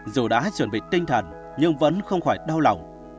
dù đã chuẩn bị tinh thần nhưng vẫn không khỏi đau lòng